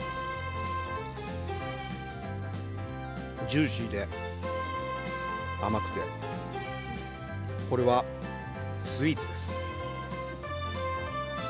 ジューシーで、甘くて、これはスイーツです。